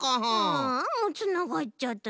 ああもうつながっちゃった。